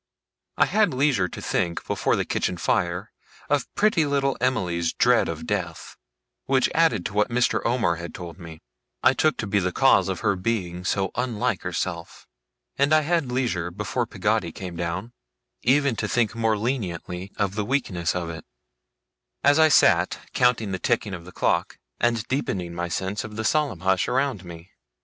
I had leisure to think, before the kitchen fire, of pretty little Emily's dread of death which, added to what Mr. Omer had told me, I took to be the cause of her being so unlike herself and I had leisure, before Peggotty came down, even to think more leniently of the weakness of it: as I sat counting the ticking of the clock, and deepening my sense of the solemn hush around me.